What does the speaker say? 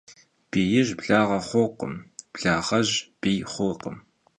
Biij blağe xhurkhım, blağej biy xhurkhım.